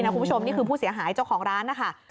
คุณผู้ชมนี่คือผู้เสียหายเจ้าของร้านนะคะ